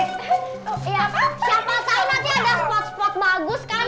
siapa tau nanti ada spot spot bagus kan